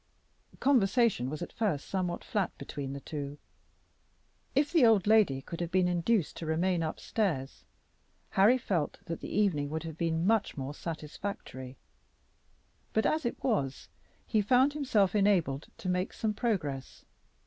Conversation was at first somewhat flat between the two. If the old lady could have been induced to remain up stairs, Harry felt that the evening would have been much more satisfactory. But, as it was, he found himself enabled to make some progress.